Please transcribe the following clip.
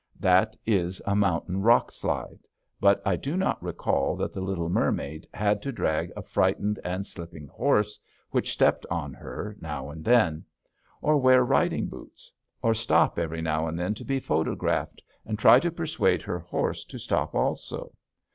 That is a mountain rock slide, but I do not recall that the little mermaid had to drag a frightened and slipping horse, which stepped on her now and then. Or wear riding boots. Or stop every now and then to be photographed, and try to persuade her horse to stop also.